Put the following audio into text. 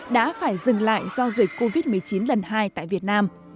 đã phải dừng lại do dịch covid một mươi chín lần hai tại việt nam